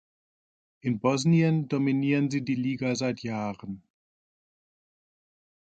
In Bosnien dominieren sie die Liga seit Jahren.